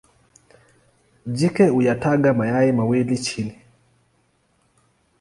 Jike huyataga mayai mawili chini.